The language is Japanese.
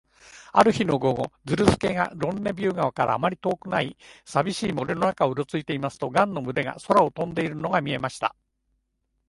ある日の午後、ズルスケがロンネビュー川からあまり遠くない、さびしい森の中をうろついていますと、ガンの群れが空を飛んでいるのが見えました。